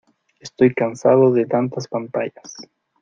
Estoy cansado de tantas pantallas.